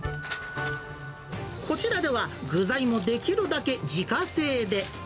こちらでは、具材もできるだけ自家製で。